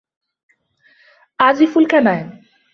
أعزف الكمان.